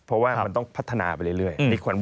เพราะว่ามันต้องพัฒนาไปเรื่อย